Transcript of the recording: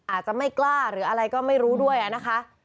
อาจจะไม่กล้าหรืออะไรก็ไม่รู้ด้วยนะคะ